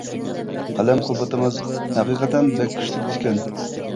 قەلەم قۇۋۋىتىڭىز ھەقىقەتەن بەك كۈچلۈك ئىكەن!